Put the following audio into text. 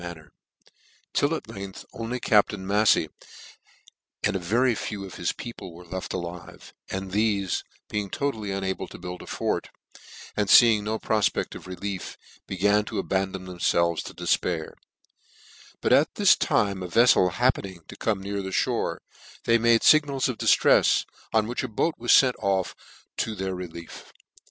347 manner ; till at length only captain Mafiey and' a very few of his people were left alive ; and thefe, being totally unable to build a fort, and feeing no profpect of relief, began to abandon themfelves to defpair : but at this time a veflel happening to come near the fhore, they made fig nals of diitrefs, on which a boat was fent off to their relief.